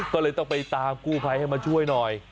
ก็เลยต้องไปตามกู้ภัยให้มาช่วยหน่อย